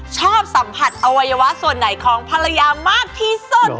ชอบสัมผัสอวัยวะส่วนไหนของภรรยามากที่สุด